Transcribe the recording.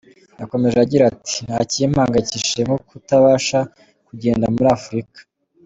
Yakomeje agira ati “Nta kimpangayikishije nko kutabasha kugenda muri Afurika.